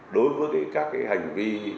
đối với các cái hành vi này